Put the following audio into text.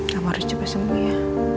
kamu harus juga sembuh ya